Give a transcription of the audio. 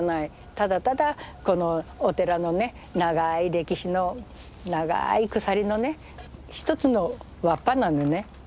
ただただこのお寺のね長い歴史の長い鎖のね一つの輪っぱなのね。